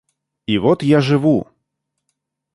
И вот я живу.